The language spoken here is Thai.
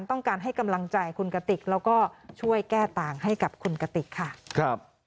ต้องการให้กำลังใจคุณกติกแล้วก็ช่วยแก้ต่างให้กับคุณกติกค่ะครับ